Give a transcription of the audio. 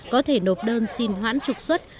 có thể nộp đơn xin hoãn trục xuất